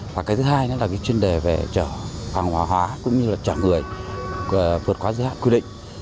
và cái thứ hai đó là cái chuyên đề về chở hàng hóa hóa cũng như là chở người vượt quá dự hạn quy định